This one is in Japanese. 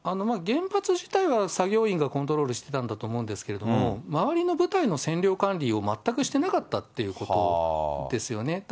原発自体は作業員がコントロールしてたんだと思うんですけど、周りの部隊の占領管理を全くしてなかったということですよね。